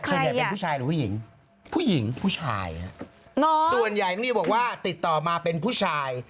ส่วนใหญ่เป็นผู้ชายหรือผู้หญิงผู้หญิงผู้ชายส่วนใหญ่นิวบอกว่าติดต่อมาเป็นผู้ชาย